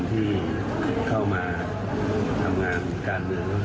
อาจจะไม่ค่อยรับฤทธิ์เท่าไรแล้วว่าคะ